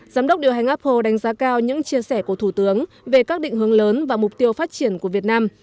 giám đốc điều hành apple đánh giá cao những chia sẻ của thủ tướng về các định hướng lớn và mục tiêu phát triển của việt nam